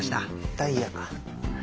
ダイヤか。